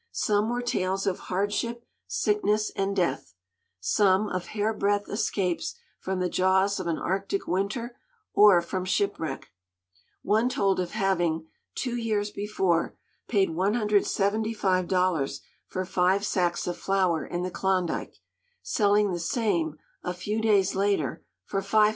Some were tales of hardship, sickness and death; some of hair breadth escapes from the jaws of an Arctic winter, or from shipwreck. One told of having, two years before, paid $175 for five sacks of flour in the Klondyke; selling the same, a few days later, for $500.